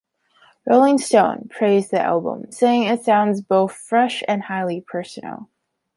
"Rolling Stone" praised the album, saying it "sounds both fresh and highly personal.